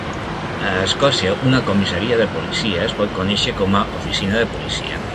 A Escòcia, una "comissaria de policia" es pot conèixer com a "oficina de policia".